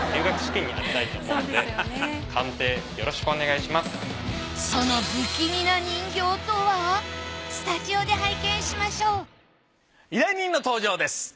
お願いします。